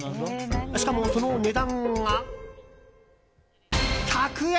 しかもその値段が、１００円。